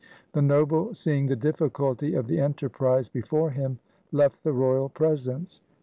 The noble, seeing the difficulty of the enterprise before him, left the royal presence.